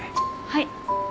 はい。